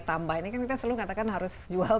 tambah ini kan kita selalu katakan harus jual